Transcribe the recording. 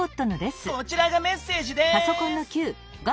こちらがメッセージです！